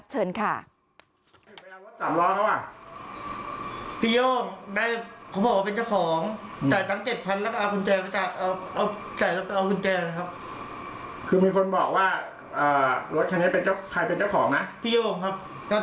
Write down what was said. เชิญค่ะไปเอารถจำร้องแล้วอ่ะพี่โย่งได้เขาบอกว่าเป็นเจ้าของ